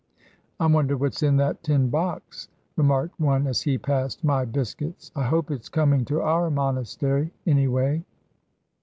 'I wonder what's in that tin box?' remarked one as he passed my biscuits. 'I hope it's coming to our monastery, any way.'